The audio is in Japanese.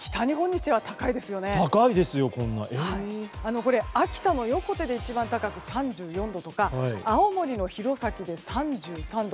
これ秋田の横手が一番高く３４度とか青森の弘前で３３度。